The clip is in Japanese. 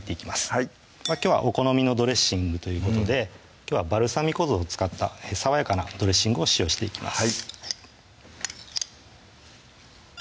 はいきょうはお好みのドレッシングということできょうはバルサミコ酢を使った爽やかなドレッシングを使用していきます